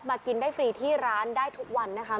กินได้ฟรีที่ร้านได้ทุกวันนะคะ